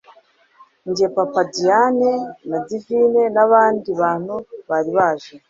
njye papa diane na divine nabandi bantu bari baje